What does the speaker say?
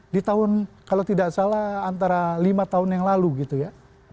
di tahun kalau tidak salah antara lima tahun yang lalu gitu ya